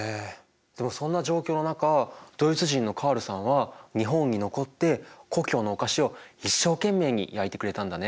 でもそんな状況の中ドイツ人のカールさんは日本に残って故郷のお菓子を一生懸命に焼いてくれたんだね。